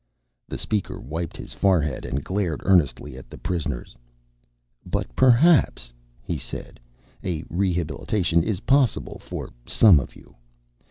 The speaker wiped his forehead and glared earnestly at the prisoners. "But perhaps," he said, "a rehabilitation is possible for some of you.